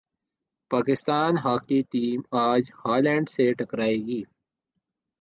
Pakistan hockey team اج Holland سے ٹکرا ئے گی